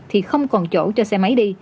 thì không còn chỗ cho xe máy đi